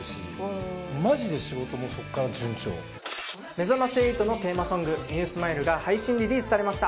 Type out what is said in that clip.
『めざまし８』のテーマソング『ＮＥＷＳｍｉｌｅ』が配信リリースされました。